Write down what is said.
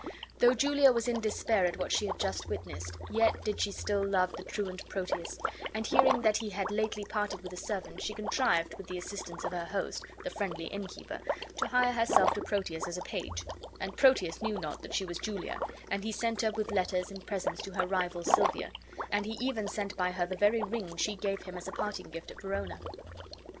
Though Julia was in despair at what she had just witnessed, yet did she still love the truant Proteus; and hearing that he had lately parted with a servant, she contrived, with the assistance of her host, the friendly innkeeper, to hire herself to Proteus as a page; and Proteus knew not she was Julia, and he sent her with letters and presents to her rival, Silvia, and he even sent by her the very ring she gave him as a parting gift at Verona.